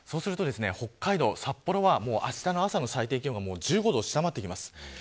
北海道札幌は、あしたの朝の最低気温が１５度を下回ります。